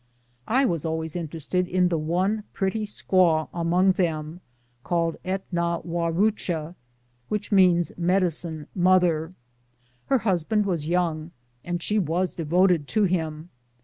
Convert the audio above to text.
I was always interested in the one pretty squaw among them, called Et nah wah ruchta, which means Medicine Mother. Her husband was young, and she was devoted to him.